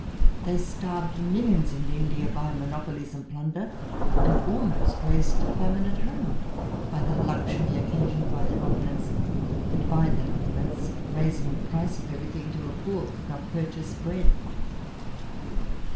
They starved millions in India by monopolies and plunder, and almost raised a famine at home by the luxury occasioned by their opu lence, and by that opulence raising the price of everything, till the poor could not purchase bread!